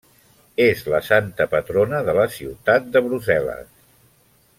És la santa patrona de la ciutat de Brussel·les.